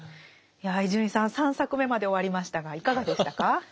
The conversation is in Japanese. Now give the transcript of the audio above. いや伊集院さん３作目まで終わりましたがいかがでしたか？